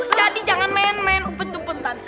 jadi jangan main main upet upetan